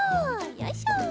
よいしょ。